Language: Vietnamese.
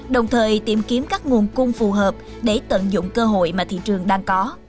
đồng thời tìm kiếm các nguồn cung phù hợp để tận dụng cơ hội mà thị trường đang có